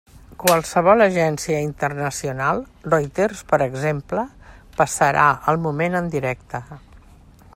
Qualsevol agència internacional, Reuters, per exemple, passarà el moment en directe.